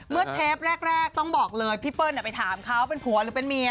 เทปแรกต้องบอกเลยพี่เปิ้ลไปถามเขาเป็นผัวหรือเป็นเมีย